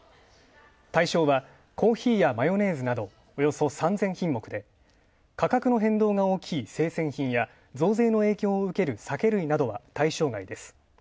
対象はコーヒーやマヨネーズなどおよそ３０００品目で価格の変動が大きい生鮮品や増税の影響を受ける酒類は対象外です。